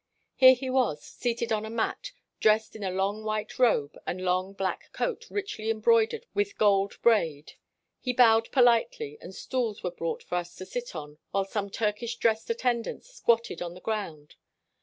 Here he was, seated on a mat, dressed in a long white robe and long black coat richly embroidered with gold braid. He bowed politely, and stools were brought for us to sit on, while some Turkish dressed attendants squatted on the ground.